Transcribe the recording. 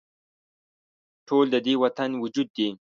ټول د دې وطن وجود دي